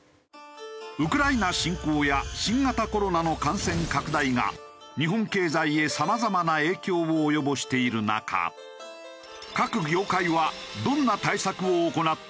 ウクライナ侵攻や新型コロナの感染拡大が日本経済へさまざまな影響を及ぼしている中各業界は。